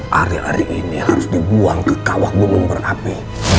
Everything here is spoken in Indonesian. hari hari ini harus dibuang ke kawah gunung berapi